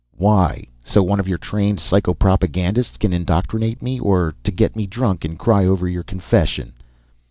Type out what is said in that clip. "Why? So one of your trained psychopropagandists can indoctrinate me? Or to get drunk and cry over your confession?"